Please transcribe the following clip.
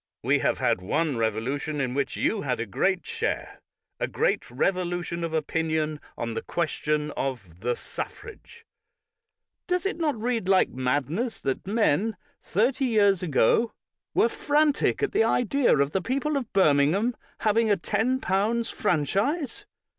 We have had one revolution in which you had a great share — a great revolution of opinion on the question of the suffrage. Does it not read like madness that men, thirty years ago, were 235 THE WORLD'S FAMOUS ORATIONS frantic at the idea of the people of Birmingham having a £10 franchise?